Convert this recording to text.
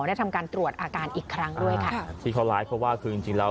ได้ทำการตรวจอาการอีกครั้งด้วยค่ะที่เขาไลฟ์เพราะว่าคือจริงจริงแล้ว